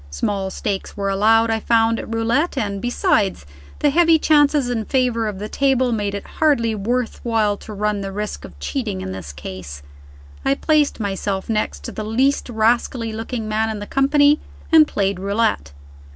Small stakes were allowed, I found, at roulette; and, besides, the heavy chances in favor of the table made it hardly worth while to run the risk of cheating in this case. I placed myself next to the least rascally looking man in the company, and played roulette.